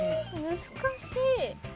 難しい。